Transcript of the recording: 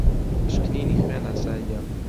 پشکنینی خوێن ئاسایییە.